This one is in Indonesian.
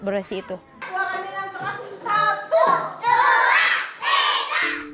keluaran dengan terakhir satu dua tiga